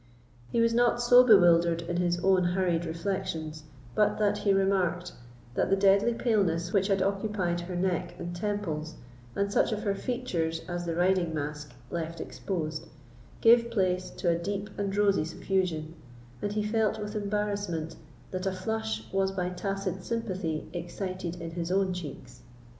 He was not so bewildered in his own hurried reflections but that he remarked, that the deadly paleness which had occupied her neck and temples, and such of her features as the riding mask left exposed, gave place to a deep and rosy suffusion; and he felt with embarrassment that a flush was by tacit sympathy excited in his own cheeks.